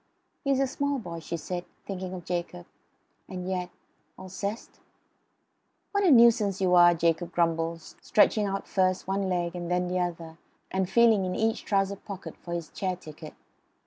"HE'S a small boy," she said, thinking of Jacob. And yet Alceste? "What a nuisance you are!" Jacob grumbled, stretching out first one leg and then the other and feeling in each trouser pocket for his chair ticket.